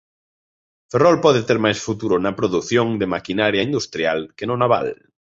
'Ferrol pode ter máis futuro na produción de maquinaria industrial que no naval'